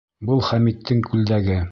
Был Хәмиттең күлдәге.